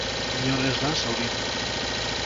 Inor ez da zauritu.